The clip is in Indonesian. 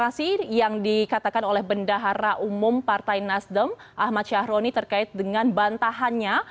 dan nanti kita masih akan membahas mengenai bagaimana informasi yang dikatakan oleh bendahara umum partai nasdem ahmad syahrouni terkait dengan bantahannya